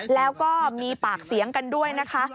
แล้วก็มีปากเสียงกันด้วยนะคะ